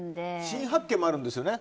新発見もあるんですよね。